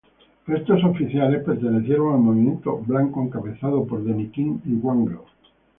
Estos oficiales pertenecieron al Movimiento Blanco encabezado por Denikin y Wrangel.